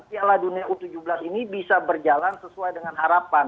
piala dunia u tujuh belas ini bisa berjalan sesuai dengan harapan